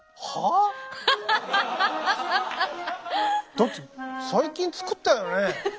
だって最近作ったよね？